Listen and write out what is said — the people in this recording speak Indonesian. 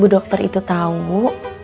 bu dokter itu tahu bu